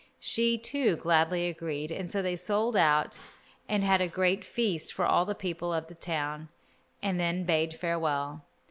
She, too, gladly agreed, and so they sold out and had a great feast for all the people of the town, and then bade farewell.